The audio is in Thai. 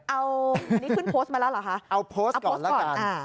เอาอันนี้ขึ้นโพสต์มาแล้วเหรอคะเอาโพสต์ก่อนแล้วกัน